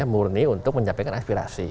murni untuk mencapai aspirasi